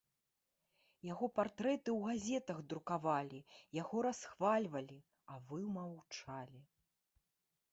Яго партрэты ў газетах друкавалі, яго расхвальвалі, а вы маўчалі.